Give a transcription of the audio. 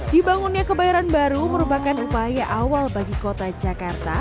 dibangunnya kebayoran baru merupakan upaya awal bagi kota jakarta